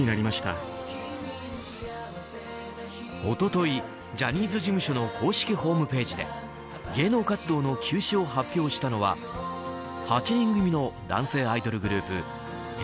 一昨日、ジャニーズ事務所の公式ホームページで芸能活動の休止を発表したのは８人組の男性アイドルグループＨｅｙ！